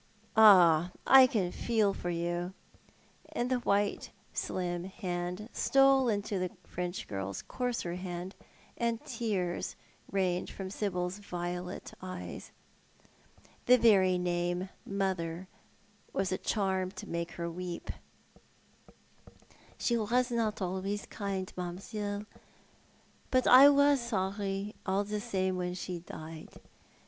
Ah, I can feel for you," and the white, slim hand stole into the French girl's coarser hand, and tears rained from Sibyl's violet eyes. The very name Mother was a charm to make her weep. " She was not always kind, mam'selle, but I was sorry all the same when she died.